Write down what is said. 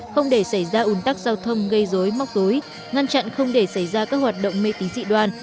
không để xảy ra ủn tắc giao thông gây dối móc tối ngăn chặn không để xảy ra các hoạt động mê tính dị đoan